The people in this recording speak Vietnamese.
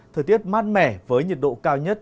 thời tiết mát mẻ với nhiệt độ cao nhất